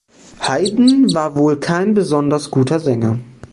Haydn war wohl kein besonders guter Sänger.